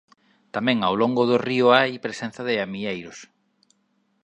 Tamén ao longo do río hai presenza de amieiros.